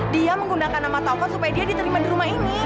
dia menggunakan nama telpon supaya dia diterima di rumah ini